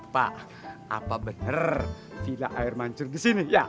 pak apa bener vila air mancur disini ya